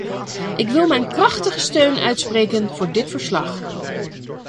Ik wil mijn krachtige steun uitspreken voor dit verslag.